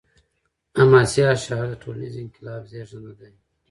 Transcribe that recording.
حماسي اشعار د ټولنیز انقلاب زیږنده دي.